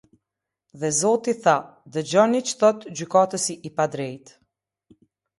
Dhe Zoti tha: "Dëgjoni ç’thotë gjykatësi i padrejtë.